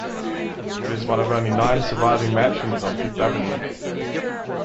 It is one of only nine surviving mansions on Fifth Avenue.